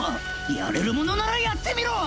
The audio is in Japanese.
やれるものならやってみろ！